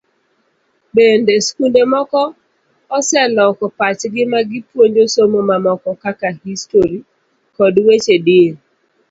Bende, skunde moko oseloko pachgi ma gipuonjo somo mamoko kaka Histori kod weche din.